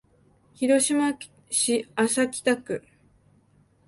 広島市安佐北区